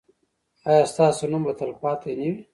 ایا ستاسو نوم به تلپاتې نه وي؟